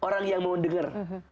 orang yang mau dengar